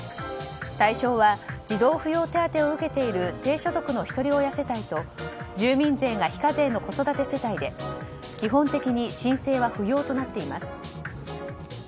対象は児童扶養手当を受けている低所得の一人親世帯と住民税が非課税の子育て世帯で基本的に申請は不要となっています。